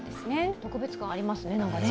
特別感ありますね。